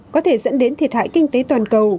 có thể dẫn đến thiệt hại kinh tế toàn cầu